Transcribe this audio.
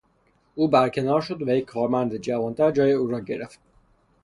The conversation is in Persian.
او برکنار شد و یک کارمند جوانتر جای او را گرفت.